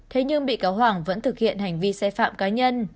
thế nhưng bị cáo hoàng vẫn thực hiện hành vi sai phạm cá nhân